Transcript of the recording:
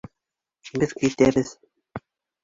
Беҙ китәбеҙ.